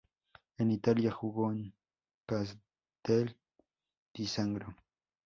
En Italia, jugó en Castel di Sangro.